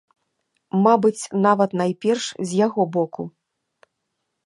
Мабыць, нават найперш з яго боку.